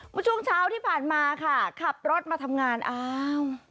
เมื่อช่วงเช้าที่ผ่านมาค่ะขับรถมาทำงานอ้าว